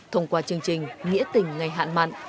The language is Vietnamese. thông qua chương trình nghĩa tình ngày hạn mạn